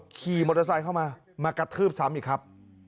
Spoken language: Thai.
ขี่มอเตอร์ไซค์เข้ามามากระทืบซ้ำอีกครับ